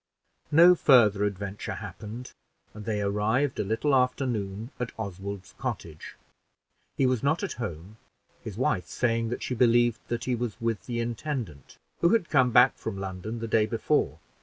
No further adventure happened, and they arrived a little after noon at Oswald's cottage. He was not at home, his wife saying that she believed that he was with the intendant, who had come back from London the day before.